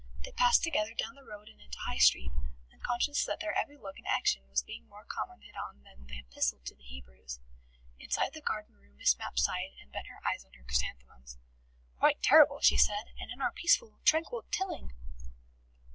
They passed together down the road and into the High Street, unconscious that their every look and action was being more commented on than the Epistle to the Hebrews. Inside the garden room Miss Mapp sighed, and bent her eyes on her chrysanthemums. "Quite terrible!" she said. "And in our peaceful, tranquil Tilling!"